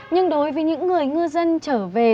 nhưng đối với những người ngư dân trở về